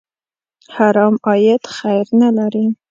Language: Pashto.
حرام عاید خیر نه لري.